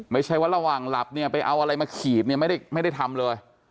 ไม่ใช่ว่าระหว่างหลับไปเอาอะไรมาขีดไม่ได้ทำเลย